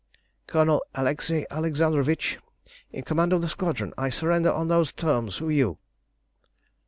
"Colonel Alexei Alexandrovitch, in command of the squadron. I surrender on those terms. Who are you?"